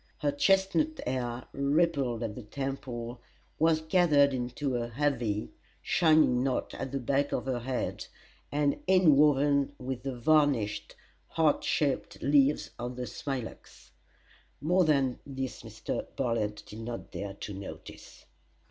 Her chestnut hair, rippled at the temples, was gathered into a heavy, shining knot at the back of her head, and inwoven with the varnished, heart shaped leaves of the smilax. More than this Mr. Bartlett did not dare to notice.